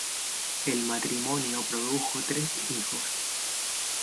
El matrimonio produjo tres hijos.